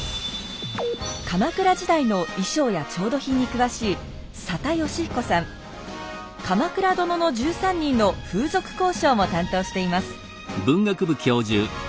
鎌倉時代の衣装や調度品に詳しい「鎌倉殿の１３人」の風俗考証も担当しています。